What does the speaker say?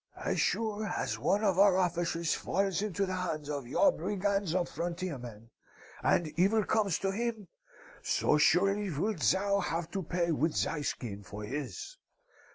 As sure as one of our officers falls into the hands of your brigands of frontier men, and evil comes to him, so surely wilt thou have to pay with thy skin for his.